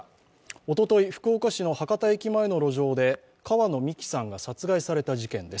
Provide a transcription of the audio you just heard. おととい福岡市の博多駅前の路上で川野美樹さんが殺害された事件です。